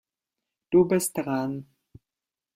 Du bist dran.